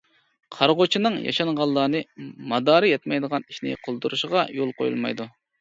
قارىغۇچىنىڭ ياشانغانلارنى مادارى يەتمەيدىغان ئىشنى قىلدۇرۇشىغا يول قويۇلمايدۇ.